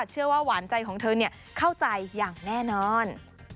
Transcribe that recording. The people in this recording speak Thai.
เชื่อว่าหวานใจของเธอเข้าใจอย่างแน่นอน